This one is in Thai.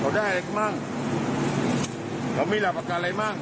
เขาได้อะไรขึ้นบ้างเขามีรับอาการอะไรบ้าง